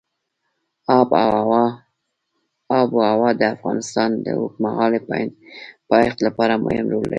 آب وهوا د افغانستان د اوږدمهاله پایښت لپاره مهم رول لري.